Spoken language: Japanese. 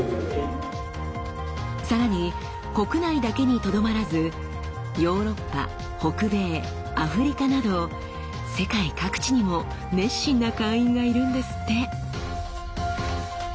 さらに国内だけにとどまらずヨーロッパ北米アフリカなど世界各地にも熱心な会員がいるんですって。